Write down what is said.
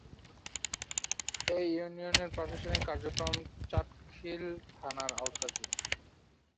এ ইউনিয়নের প্রশাসনিক কার্যক্রম চাটখিল থানার আওতাধীন।